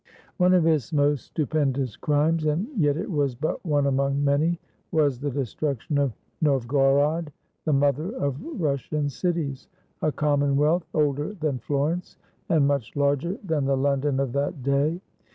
One of his most stupendous crimes, and yet it was but one among many, was the destruction of Novgorod, the mother of Russian cities, — a commonwealth older than Florence, and much larger than the London of that day.